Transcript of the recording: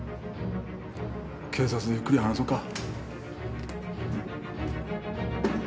警察でゆっくり話そうか？